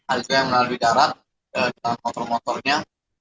ada juga yang melalui darat dan motor motornya